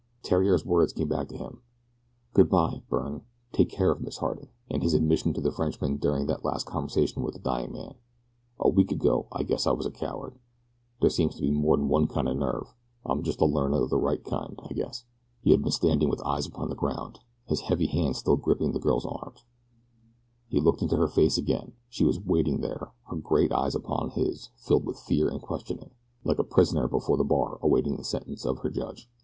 Theriere's words came back to him: "Good bye, Byrne; take good care of Miss Harding," and his admission to the Frenchman during that last conversation with the dying man: " a week ago I guess I was a coward. Dere seems to be more'n one kind o' nerve I'm just a learnin' of the right kind, I guess." He had been standing with eyes upon the ground, his heavy hand still gripping the girl's arm. He looked into her face again. She was waiting there, her great eyes upon his filled with fear and questioning, like a prisoner before the bar awaiting the sentence of her judge.